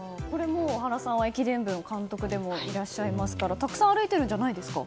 原さんは駅伝部の監督でもいらっしゃいますからたくさん歩いているんじゃないんですか。